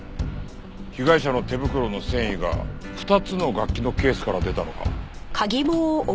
被害者の手袋の繊維が２つの楽器のケースから出たのか。